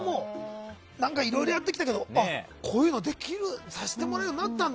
自分も、いろいろやってきたけどこういうのができるさせてもらえるようになったんだ。